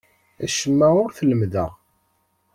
Acemma ur t-lemmdeɣ.